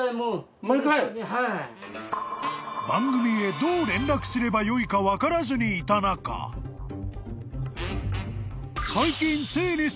［番組へどう連絡すればよいか分からずにいた中最近］